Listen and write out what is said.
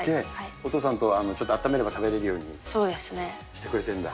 お父さんと、ちょっとあっためれば食べられるようにしてくれてるんだ。